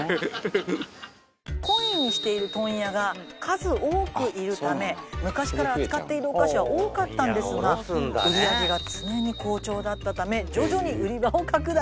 懇意にしている問屋が数多くいるため昔から扱っているお菓子は多かったんですが売り上げが常に好調だったため徐々に売り場を拡大。